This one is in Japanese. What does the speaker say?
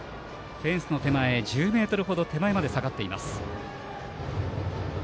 フェンスの１０ｍほど手前に下がっています。